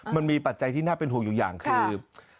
ปัจจัยที่น่าเป็นห่วงอยู่อย่างคือ